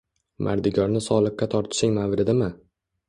Mardikorni soliqqa tortishning mavridimi?